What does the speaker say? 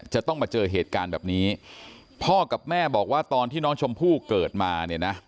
จะต้องมาเจอเหตุการณ์แบบนี้พ่อกับแม่บอกว่าตอนที่น้องชมพู่เกิดมาเนี่ยนะ